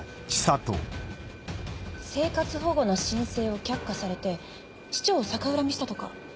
生活保護の申請を却下されて市長を逆恨みしたとか？